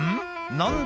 何だ